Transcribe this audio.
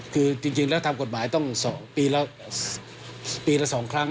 คือจริงแล้วทำกฎหมายต้อง๒ปีละ๒ครั้ง